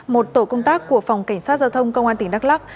một tổ công tác của phòng cảnh sát giao thông công an tp đắc lắc